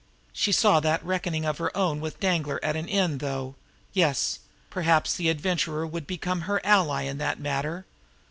She saw that reckoning of her own with Danglar at an end, though yes! perhaps the Adventurer would become her ally in that matter.